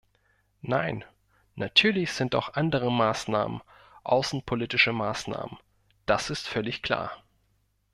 Nein, natürlich sind auch andere Maßnahmen außenpolitische Maßnahmen, das ist völlig klar.